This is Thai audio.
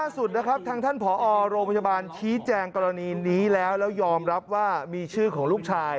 สุดล่าทางท่านพอโรงพยาบาล